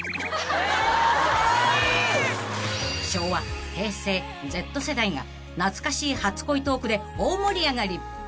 ［昭和平成Ｚ世代が懐かしい初恋トークで大盛り上がり］